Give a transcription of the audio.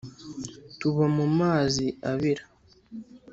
Tuba mu mazi abira